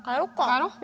帰ろう！